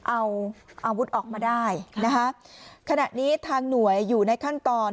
เอาอาวุธออกมาได้นะคะขณะนี้ทางหน่วยอยู่ในขั้นตอน